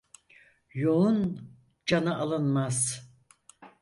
Yoğun canı alınmaz.